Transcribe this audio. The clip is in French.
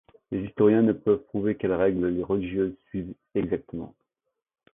Les historiens ne peuvent prouver quelle règle les religieuses suivent exactement.